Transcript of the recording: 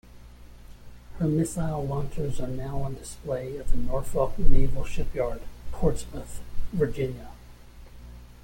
Her missile launchers are now on display at the Norfolk Naval Shipyard, Portsmouth, Virginia.